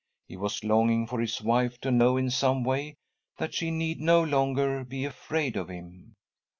He was longing for his wife to know in some way that she need no longe,r be afraid of him.